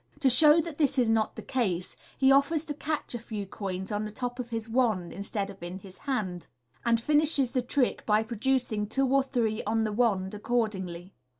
To show that this is not the case, he offers to catch a few coins on the top of his wand instead of in his hand, and finishes the trick by pro ducing two or three on the wand accordingly.